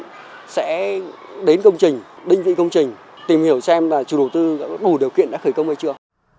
thì sẽ đến công trình định vị công trình tìm hiểu xem là chủ đầu tư có đủ điều kiện đã khởi công hay chưa